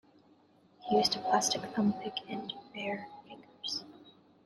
He used a plastic thumb pick and "bare" fingers.